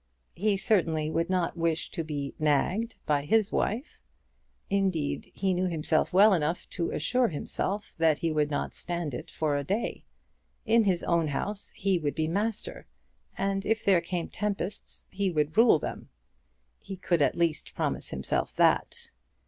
He certainly would not wish to be "nagged" by his wife. Indeed he knew himself well enough to assure himself that he would not stand it for a day. In his own house he would be master, and if there came tempests he would rule them. He could at least promise himself that.